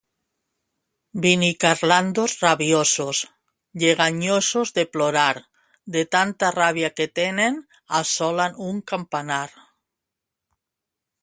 Binicarlandos rabiosos, lleganyosos de plorar, de tanta ràbia que tenen assolen un campanar.